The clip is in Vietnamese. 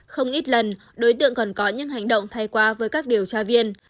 không ít lần đối tượng còn có những hành động thay qua với các điều tra viên